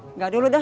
enggak dulu dah